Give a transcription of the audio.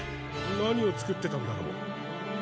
何を作ってたんだろう？